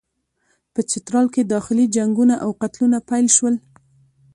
په چترال کې داخلي جنګونه او قتلونه پیل شول.